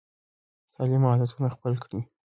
سالم عادتونه خپل کړئ.